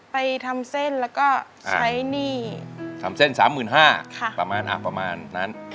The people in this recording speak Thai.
ไปทำเส้นแล้วก็ใช้หนี้ทำเส้น๓๕๐๐บาทประมาณนั้น